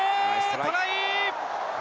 トライ！